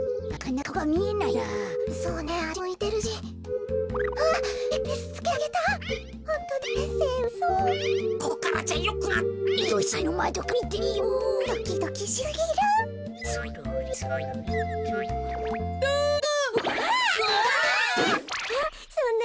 なかなかかおがみえないな。